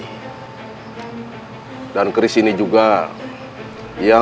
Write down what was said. aku akan mencari